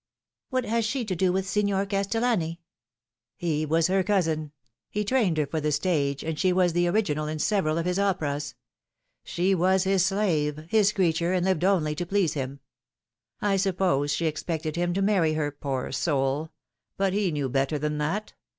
What has she to do with Signer Castellani ?"" He was her cousin. He trained her for the stage, and she was the original in several of his operas. She was his slave, his creature, and lived only to please him. I suppose she expected him to marry her, poor soul ; but he knew better than that.